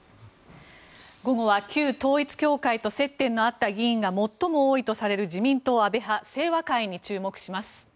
午後は旧統一教会と接点のあった議員が最も多いとされる自民党安部派清和会に注目します。